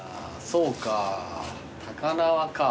そうか高輪か。